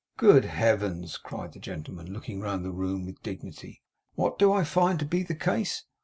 'Good Heavens!' cried the gentleman, looking round the room with dignity, 'what do I find to be the case!